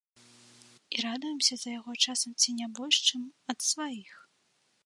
І радуемся за яго часам ці не больш, чым ад сваіх.